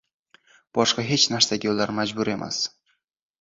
Boshqa hechnarsaga ular majbur emas.